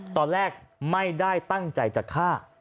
ตอนแรกไม่ได้ตั้งใจจะฆ่า